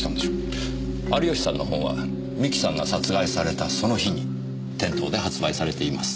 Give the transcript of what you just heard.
有吉さんの本は三木さんが殺害されたその日に店頭で発売されています。